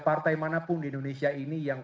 partai manapun di indonesia ini yang